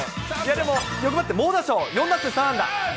でも欲張って猛打賞、４打数３安打。